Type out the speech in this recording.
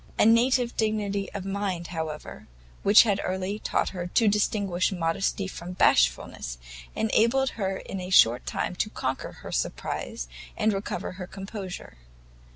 A native dignity of mind, however, which had early taught her to distinguish modesty from bashfulness, enabled her in a short time to conquer her surprise, and recover her composure.